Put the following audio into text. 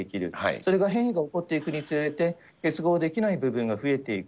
それが変異が起こっていくにつれて、結合できない部分が増えていく。